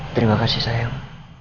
terima kasih sayang